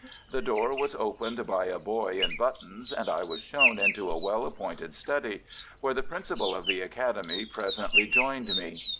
The door was opened by a boy in buttons, and I was shown into a well appointed study, where the principal of the academy presently joined me.